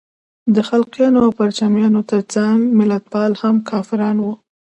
د خلقیانو او پرچمیانو تر څنګ ملتپال هم کافران وو.